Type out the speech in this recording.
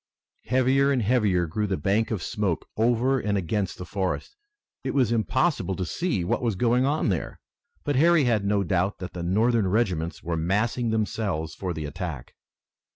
Heavier and heavier grew the bank of smoke over and against the forest. It was impossible to see what was going on there, but Harry had no doubt that the Northern regiments were massing themselves for the attack.